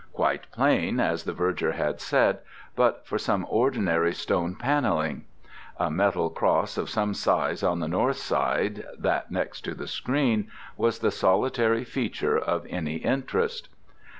Quite plain, as the Verger had said, but for some ordinary stone panelling. A metal cross of some size on the northern side (that next to the screen) was the solitary feature of any interest.